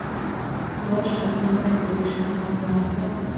ku bashakanye akoresha amagambo